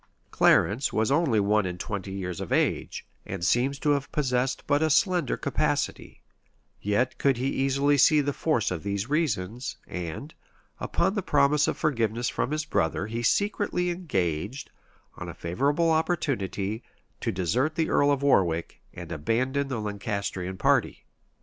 Clarence was only one and twenty years of age, and seems to have possessed but a slender capacity; yet could he easily see the force of these reasons; and, upon the promise of forgiveness from his brother, he secretly engaged, on a favorable opportunity, to desert the earl of Warwick, and abandon the Lancastrian party.